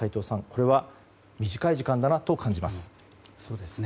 これは短い時間だなと感じます。